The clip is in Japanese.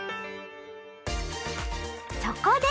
そこで！